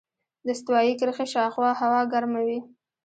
د استوایي کرښې شاوخوا هوا ګرمه وي.